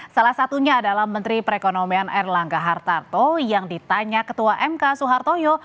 salah satunya adalah menteri perekonomian erlangga hartarto yang ditanya ketua mk soehartoyo